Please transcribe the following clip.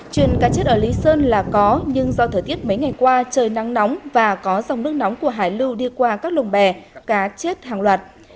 truyền cá chết ở lý sơn là có nhưng do thời tiết mấy ngày qua trời nắng nóng và có dòng nước nóng của hải lưu đi qua các lồng bè cá chết hàng loạt